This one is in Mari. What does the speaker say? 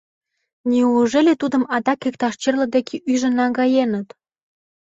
Неужели тудым адак иктаж черле деке ӱжын наҥгаеныт?